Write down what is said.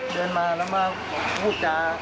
เดินมาแล้วแล้วมาหุบจา